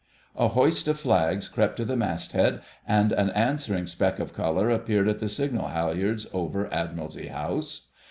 A hoist of flags crept to the masthead, and an answering speck of colour appeared at the signal halliards over Admiralty House.